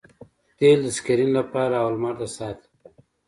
تیل د سکرین لپاره او لمر د ساعت لپاره